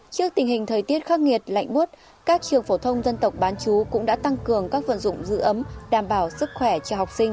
trước tình hình thời tiết khắc nghiệt lạnh bút các trường phổ thông dân tộc bán chú cũng đã tăng cường các vận dụng giữ ấm đảm bảo sức khỏe cho học sinh